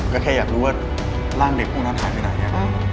ก็แค่อยากรู้ว่าร่างเด็กพวกนั้นหายไปไหน